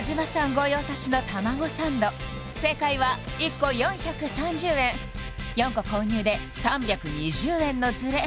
御用達の玉子サンド正解は１個４３０円４個購入で３２０円のズレ